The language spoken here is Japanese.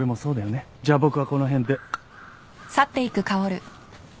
じゃあ僕はこの辺で。